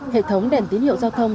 hệ thống đèn tín hiệu giao thông